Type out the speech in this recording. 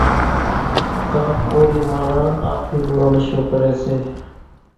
ڪانڪ ڪورِي ماڻۿان آڦيم نو نشو ڪريَ سي۔